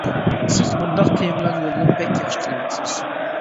سىز مۇنداق تېمىلارنى يوللاپ بەك ياخشى قىلىۋاتىسىز.